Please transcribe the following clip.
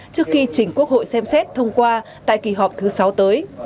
trước khi chỉnh quốc hội xem xét thông qua tại kỳ họp thứ sáu tới